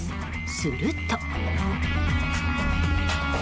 すると。